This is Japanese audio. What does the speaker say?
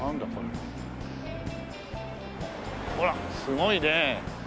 ほらすごいね。